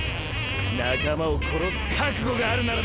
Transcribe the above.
仲間を殺す覚悟があるならな。